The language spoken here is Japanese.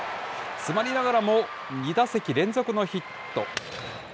詰まりながらも２打席連続のヒット。